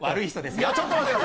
いや、ちょっと待って！